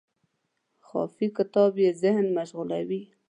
خافي کتاب یې ذهن مغشوشوي.